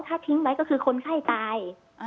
ถ้าทิ้งไว้ก็คือคนไข้ตาย